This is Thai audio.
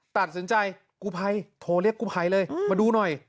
ตัดสินใจกูภัยโทรเรียกกู้ภัยเลยมาดูหน่อย